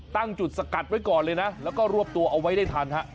ตั้งจุดสกัดไว้ก่อนเลยนะแล้วก็รวบตัวเอาไว้ได้ทันฮะ